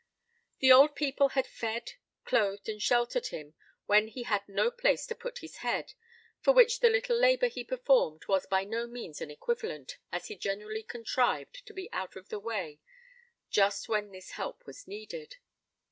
The old people had fed, clothed, and sheltered him when he had no place to put his head, for which the little labor he performed was by no means an equivalent, as he generally contrived to be out of the way just when his help was needed.